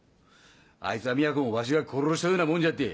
あいつはみやこもわしが殺したようなもんじゃって。